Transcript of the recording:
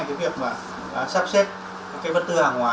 cái việc mà sắp xếp cái vật tư hàng hóa